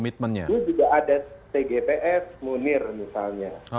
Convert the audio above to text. itu juga ada tgpf munir misalnya